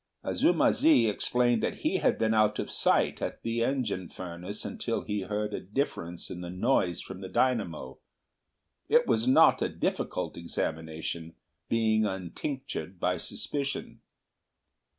Azuma zi explained that he had been out of sight at the engine furnace until he heard a difference in the noise from the dynamo. It was not a difficult examination, being untinctured by suspicion.